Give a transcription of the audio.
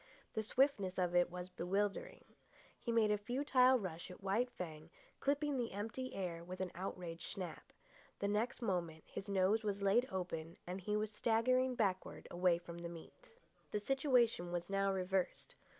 The swiftness of it was bewildering. He made a futile rush at White Fang, clipping the empty air with an outraged snap. The next moment his nose was laid open, and he was staggering backward away from the meat. The situation was now reversed.